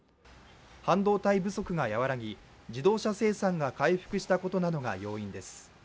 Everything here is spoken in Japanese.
半導体不足が和らぎ、自動車生産が回復したことなどが要因です。